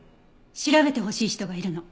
調べてほしい人がいるの。